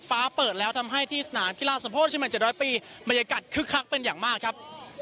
ฟ้าเปิดแล้วทำให้ที่สนามกีฬาสมโพธิเชียงใหม่๗๐๐ปีบรรยากาศคึกคักเป็นอย่างมากครับ